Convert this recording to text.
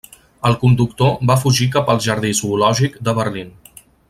El conductor va fugir cap al Jardí Zoològic de Berlín.